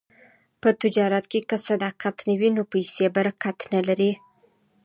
په تجارت کې که صداقت نه وي، نو پیسې برکت نه لري.